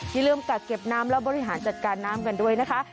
อย่าลืมกักเก็บน้ำและบริหารจัดการน้ำกันด้วยนะคะ